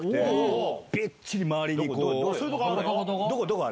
どこ？